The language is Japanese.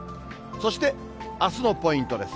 そして、あすのポイントです。